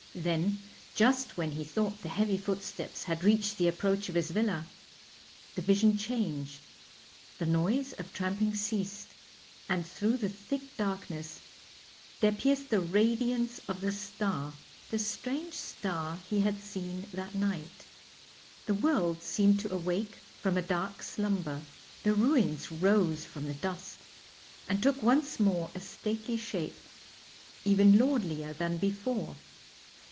Then, just when he thought the heavy footsteps had reached the approach of his villa, the vision changed. The noise of tramping ceased, and through the thick darkness there pierced the radiance of the star: the strange star he had seen that night. The world seemed to awake from a dark slumber. The ruins rose from the dust and took once more a stately shape, even lordlier than before.